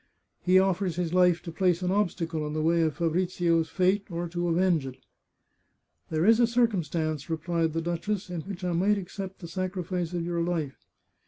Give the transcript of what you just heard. " He offers his Hfe to place an obstacle in the way of Fa brizio's fate, or to avenge it." " There is a circumstance," replied the duchess, " in which I might accept the sacrifice of your life."